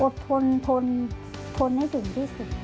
ทนทนให้ถึงที่สุด